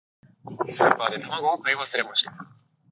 スーパーで卵を買い忘れました。